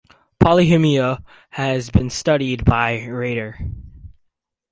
Polyhymnia has been studied by radar.